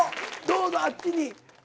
どうぞあっちに。